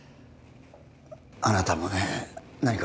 あなたもね何か